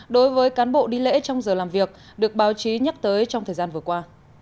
đối với cán bộ đi lễ trong giờ làm việc được báo chí nhắc tới trong thời gian vừa qua